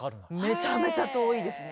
めちゃめちゃ遠いですね。